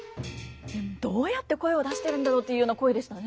どうやって声を出してるんだろうっていうような声でしたね。